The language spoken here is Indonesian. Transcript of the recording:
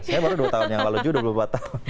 saya baru dua tahun yang lalu juga dua puluh empat tahun